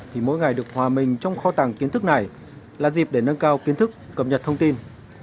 thì mỗi ngày được hòa mình trong kho tàng kiến thức này là dịp để nâng cao kiến thức cập nhật thông tin